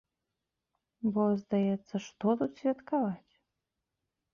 Бо, здаецца, што тут святкаваць?!